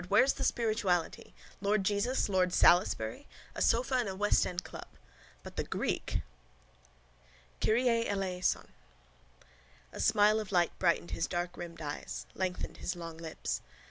Where is the spirituality? Lord Jesus? Lord Salisbury? A sofa in a westend club. But the Greek! KYRIE ELEISON! A smile of light brightened his darkrimmed eyes, lengthened his long lips.